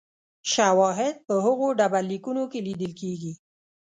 شواهد په هغو ډبرلیکونو کې لیدل کېږي